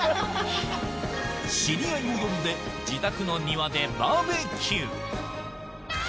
知り合いを呼んで自宅の庭でバーベキュー